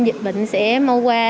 dịch bệnh sẽ mau qua